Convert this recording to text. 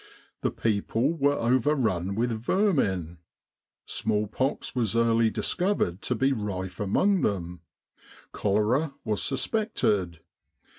The people were overrun with vermin. Smallpox was early discovered to be rife among them. Cholera was suspected.